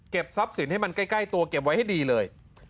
ทรัพย์สินให้มันใกล้ตัวเก็บไว้ให้ดีเลย